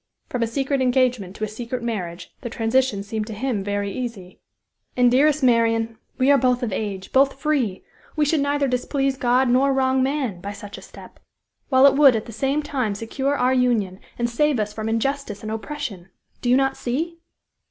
From a secret engagement to a secret marriage, the transition seemed to him very easy. "And, dearest Marian, we are both of age, both free we should neither displease God nor wrong man, by such a step while it would at the same time secure our union, and save us from injustice and oppression! do you not see?"